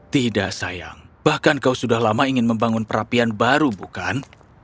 tidak sayang bahkan kau sudah lama ingin membangun perapian baru bukan